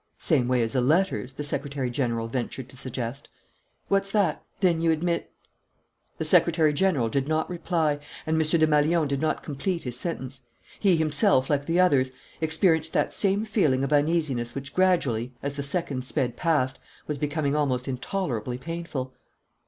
"Same way as the letters," the secretary general ventured to suggest. "What's that? Then you admit ?" The secretary general did not reply and M. Desmalions did not complete his sentence. He himself, like the others, experienced that same feeling of uneasiness which gradually, as the seconds sped past, was becoming almost intolerably painful.